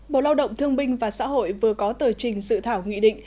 bộ lao động thương binh và xã hội vừa có tờ trình sự thảo nghị định